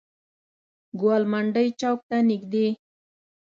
ګوالمنډۍ چوک ته نزدې.